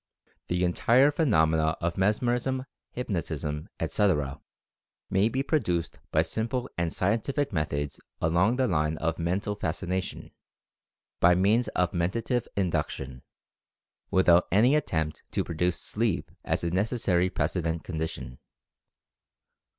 The entire phenomena of mesmerism, hypnotism, etc., may be produced by simple, scientific methods along the line of Mental Fascination, by means of Mentative Induction, with out any attempt to produce "sleep" as a necessary precedent condition.